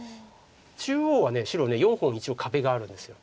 中央は白４本一応壁があるんです。